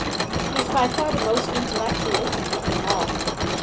'He's by far the most intellectual looking of them all.